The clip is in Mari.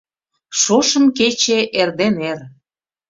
Шошым кече эрден эр